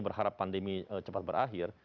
berharap pandemi cepat berakhir